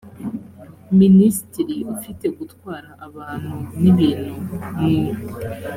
minisitiri ufite gutwara abantu n ibintu mu